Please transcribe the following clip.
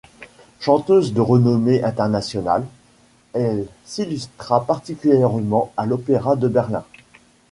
Chanteuse de renommée internationale, elle s'illustra particulièrement à l'Opéra de Berlin.